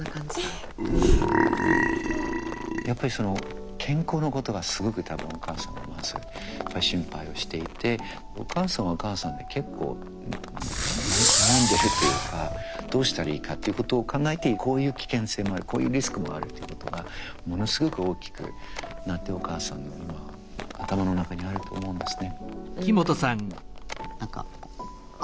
やっぱりその健康のことがすごく多分お母さんはまずやっぱり心配をしていてお母さんはお母さんで結構悩んでるというかどうしたらいいかっていうことを考えてこういう危険性もあるこういうリスクもあるということがものすごく大きくなってお母さんの今頭の中にあると思うんですね。